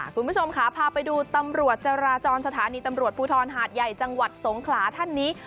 คุณผู้ชมค่ะพาไปดูตำรวจจราจรสถานีตำรวจภูทรหาดใหญ่จังหวัดสงขลาท่านนี้